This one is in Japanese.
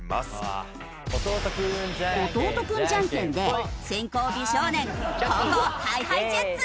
弟くんじゃんけんで先攻美少年後攻ＨｉＨｉＪｅｔｓ。